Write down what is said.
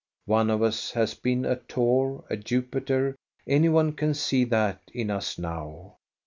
One of us has been a Thor, a Jupiter; any one can see that in us now.